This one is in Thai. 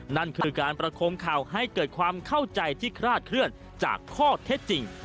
นั่นคือการประคมข่าวให้เกิดความเข้าใจที่คลาดเคลื่อนจากข้อเท็จจริง